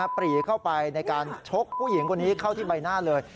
ปรีเข้าไปในการชกผู้หญิงคนนี้เข้าที่ใบหน้าเลย